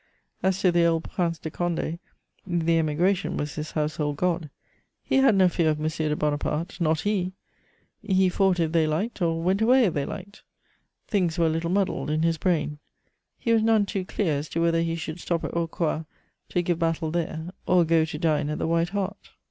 As to the old Prince de Condé, the Emigration was his household god. He had no fear of Monsieur de Bonaparte, not he; he fought if they liked or went away if they liked: things were a little muddled in his brain; he was none too clear as to whether he should stop at Rocroi to give battle there or go to dine at the White Hart.